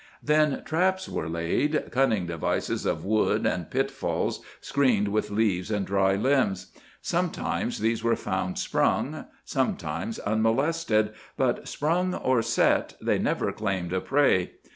Then traps were laid, cunning devices of wood, and pitfalls, screened with leaves and dry limbs. Sometimes these were found sprung, sometimes unmolested, but sprung or set, they never claimed a prey.